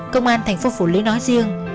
công an thành phố phủ lý nói riêng